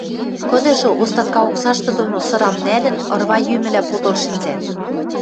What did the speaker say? Кыдыжы, остатка оксашты доно сырам нӓлӹн, ырва йӱмӹлӓ подыл шӹнзӓт